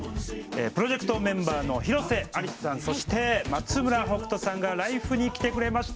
プロジェクトメンバーの広瀬アリスさんそして松村北斗さんが「ＬＩＦＥ！」に来てくれました。